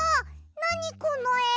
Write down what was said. なにこのえ！